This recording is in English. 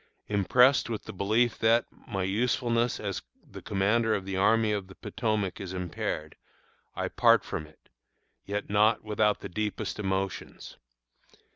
Impressed with the belief that, my usefulness as the commander of the Army of the Potomac is impaired, I part from it, yet not without the deepest emotions.